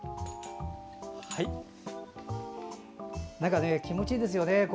なんか気持ちいいですよね